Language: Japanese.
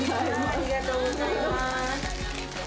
ありがとうございます。